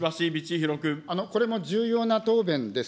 これも重要な答弁です。